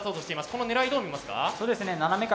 この狙いどう見ますか？